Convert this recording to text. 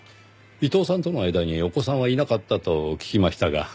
伊藤さんとの間にお子さんはいなかったと聞きましたが。